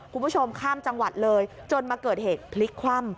คุณผู้ชมข้ามจังหวัดเลยจนมาเกิดเหตุพลิกคว่ำ